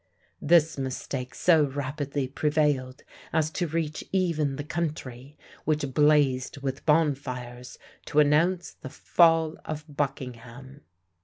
This mistake so rapidly prevailed as to reach even the country, which blazed with bonfires to announce the fall of Buckingham.